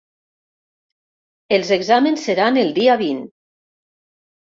Els exàmens seran el dia vint.